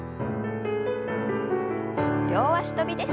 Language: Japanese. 両脚跳びです。